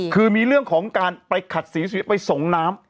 คือมีเรื่องของการไปขัดสีไปส่งน้ำ